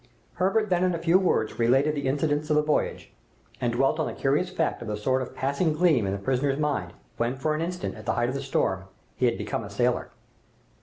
Herbert then in a few words related the incidents of the voyage, and dwelt on the curious fact of the sort of passing gleam in the prisoner's mind, when for an instant in the height of the storm he had become a sailor.